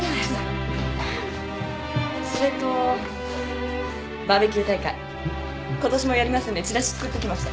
それとバーベキュー大会ことしもやりますんでチラシ作ってきました。